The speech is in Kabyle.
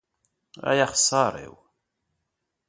Ay axeṣṣaṛ-iw!